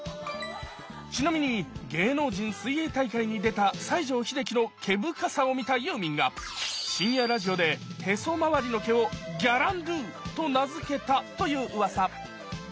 ちなみに芸能人水泳大会に出た西城秀樹の毛深さを見たユーミンが深夜ラジオでへそ周りの毛を「ギャランドゥ」と名付けたというウワサ